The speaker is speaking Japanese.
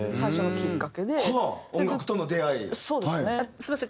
すみません。